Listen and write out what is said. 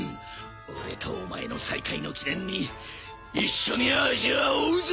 俺とお前の再会の記念に一緒に味わおうぜ。